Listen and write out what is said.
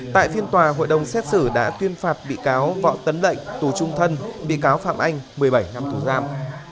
tại phiên tòa hội đồng xét xử đã tuyên phạt bị cáo võ tấn lệnh tù trung thân bị cáo phạm anh một mươi bảy năm tù giam